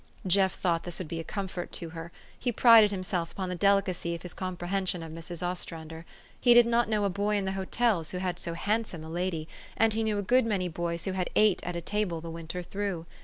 Jeff thought this would be a comfort to her : he prided himself upon the delicacy of his comprehension of Mrs. Os trander. He did not know a boy in the hotels who had so handsome a lady ; and he knew a good many boys who had eight at a table the winter through.